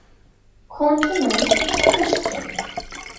Konterman is a Christian.